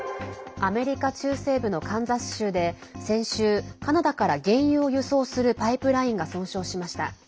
アメリカ中西部のカンザス州で先週、カナダから原油を輸送するパイプラインが損傷しました。